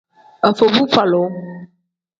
Afobuvalu.